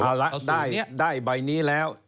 เอาละได้ใบนี้แล้ว